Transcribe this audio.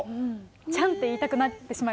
ちゃんって言いたくなってしまいますよね。